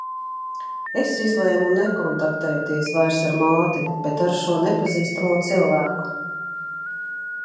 Es izlēmu nekontaktēties vairs ar māti, bet ar šo nepazīstamo cilvēku.